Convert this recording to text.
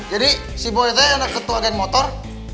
jadi si boy teh anak ketua geng motor